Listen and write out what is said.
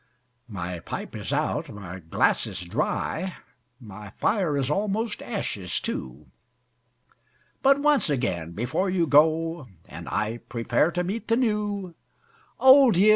My pipe is out, my glass is dry; My fire is almost ashes too; But once again, before you go, And I prepare to meet the New: Old Year!